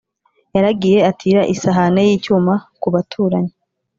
Yaragiye atira isahane y’icyuma ku baturanyi,